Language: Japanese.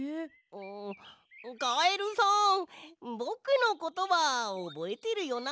んカエルさんぼくのことはおぼえてるよな？